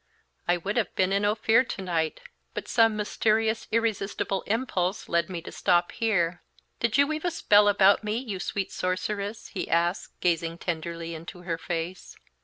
"I would have been in Ophir to night, but some mysterious, irresistible impulse led me to stop here. Did you weave a spell about me, you sweet sorceress?" he asked, gazing tenderly into her face.